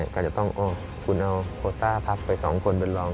ก็จะต้องโอ๊ะคุณเอาโปรต้าพักไป๒คนไปลอง